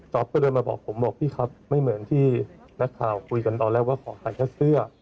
ก็เดินมาบอกผมบอกพี่ครับไม่เหมือนที่นักข่าวคุยกันตอนแรกว่าขอขายแค่เสื้อ